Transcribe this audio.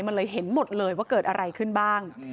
มันเลยเห็นหมดเลยว่าเกิดอะไรขึ้นบ้าง